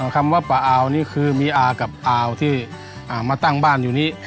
คำว่าปะอาวนี่คือมีอากับอาวที่มาตั้งบ้านอยู่นี้